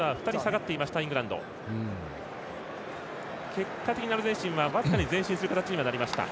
結果的にアルゼンチンは僅かに前進する形になりました。